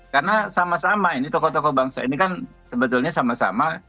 karena sama sama ini tokoh tokoh bangsa ini kan sebetulnya sama sama